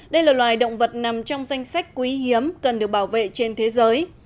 đây là loài động vật nằm trong danh sách quý hiếm cần được bảo vệ trên thế giới